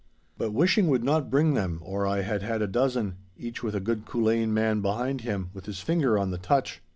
But wishing would not bring them or I had had a dozen, each with a good Culzean man behind it, with his finger on the touch.